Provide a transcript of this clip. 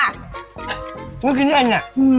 ลูกชิ้นเอนกัน